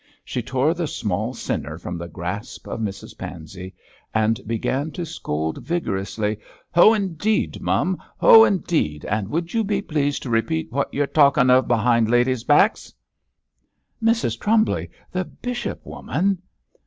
She tore the small sinner from the grasp of Mrs Pansey, and began to scold vigorously. 'Ho indeed, mum! ho indeed! and would you be pleased to repeat what you're a talkin' of behind ladies' backs.' 'Mrs Trumbly! the bishop, woman!'